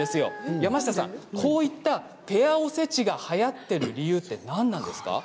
山下さん、ペアおせちがはやっている理由は何ですか。